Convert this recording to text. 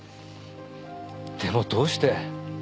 でもどうして！